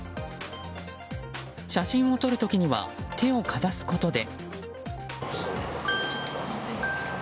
写真を撮る時には手をかざすことで。